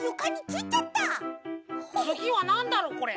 つぎはなんだろ？これ。